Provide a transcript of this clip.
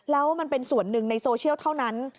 แล้วมันเป็นส่วนหนึ่งในโซเชียลเท่านั้น